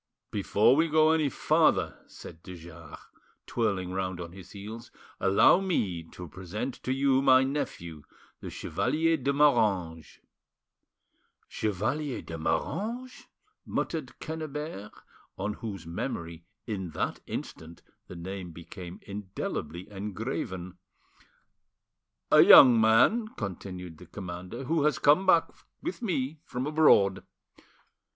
"Before we go any farther," said de Jars, twirling round on his heels, "allow me to present to you my nephew, the Chevalier de Moranges." "Chevalier de Moranges!" muttered Quennebert, on whose memory in that instant the name became indelibly engraven. "A young man," continued the commander, "who has come back with me from abroad.